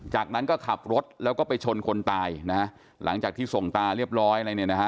จากนั้นก็ขับรถแล้วก็ไปชนคนตายหลังจากที่ส่งตาเรียบร้อย